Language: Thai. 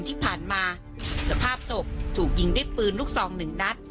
ที่ผ่านมาสภาพศพถูกยิงด้วยปืนลูกซองหนึ่งนัด